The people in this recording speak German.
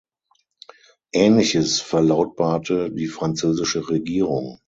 Ähnliches verlautbarte die französische Regierung.